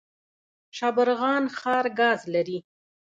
شبرغان ښار ګاز لري؟